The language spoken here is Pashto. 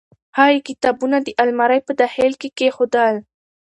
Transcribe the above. هغې کتابونه د المارۍ په داخل کې کېښودل.